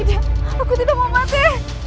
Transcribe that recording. aku tidak mau mati